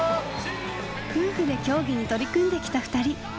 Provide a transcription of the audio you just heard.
夫婦で競技に取り組んできた２人。